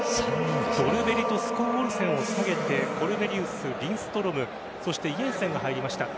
ドルベリとスコウオルセンを下げてコルネリウス、リンストロムそしてイェンセンが入りました。